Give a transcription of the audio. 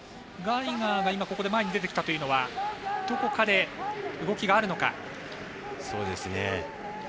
ガイガーが前に出てきたというのはどこかで動きがあるのか。